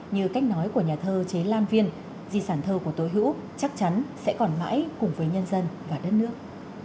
như cách nói của nhà thơ chế lan viên di sản thơ của tố hữu chắc chắn sẽ còn mãi cùng với nhân dân và đất nước